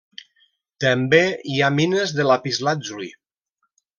També hi ha mines de lapislàtzuli.